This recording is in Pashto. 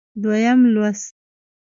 دویم لوست